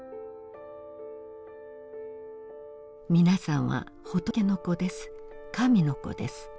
「皆さんは仏の子です。